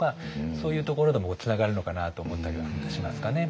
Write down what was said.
そういうところでもつながるのかなと思ったりはしますかね。